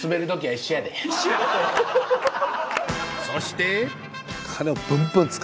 ［そして］